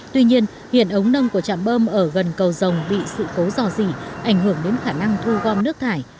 các trạm bơm ở gần cầu rồng bị sự cấu dò dỉ ảnh hưởng đến khả năng thu gom nước thải